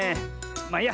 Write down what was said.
まあいいや。